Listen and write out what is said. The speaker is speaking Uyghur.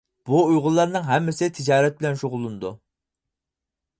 بۇ ئۇيغۇرلارنىڭ ھەممىسى تىجارەت بىلەن شۇغۇللىنىدۇ.